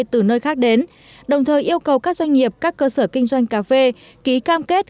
từ nơi khác đến đồng thời yêu cầu các doanh nghiệp các cơ sở kinh doanh cà phê ký cam kết